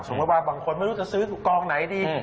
ว่าบางคนไม่รู้จะซื้อกองไหนดี